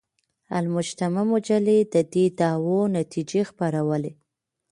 المجتمع مجلې د دې دعوې نتیجې خپرولې.